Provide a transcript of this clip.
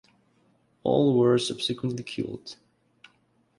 All were subsequently killed.